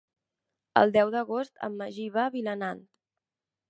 El deu d'agost en Magí va a Vilanant.